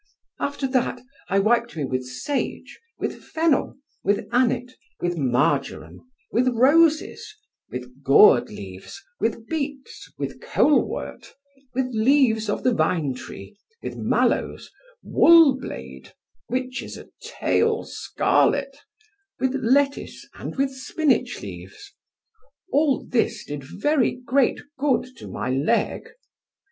After that I wiped me with sage, with fennel, with anet, with marjoram, with roses, with gourd leaves, with beets, with colewort, with leaves of the vine tree, with mallows, wool blade, which is a tail scarlet, with lettuce, and with spinach leaves. All this did very great good to my leg.